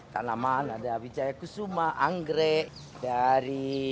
tanaman ada abijaya kusuma anggrek dari combrang dari